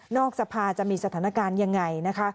สภาจะมีสถานการณ์ยังไงนะคะ